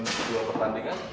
satu dua menit pertandingan